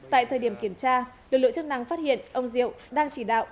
tại thời điểm kiểm tra được lựa chức năng phát hiện ông diệu đang chỉ đạo